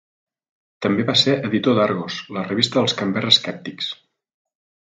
També va ser editor d'"Argos", la revista dels Canberra Skeptics.